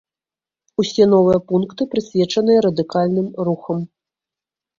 Усе новыя пункты прысвечаныя радыкальным рухам.